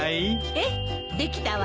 ええできたわよ。